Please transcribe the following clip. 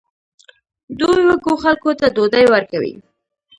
دوی وږو خلکو ته ډوډۍ ورکوي.